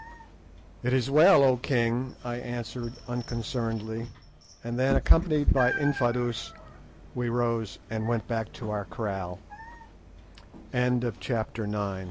"It is well, O king," I answered unconcernedly, and then, accompanied by Infadoos, we rose and went back to o